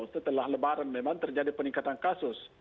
setelah lebaran memang terjadi peningkatan kasus